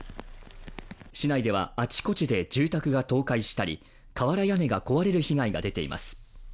市内ではあちこちで住宅が倒壊したり、瓦屋根が壊れる被害が出ています。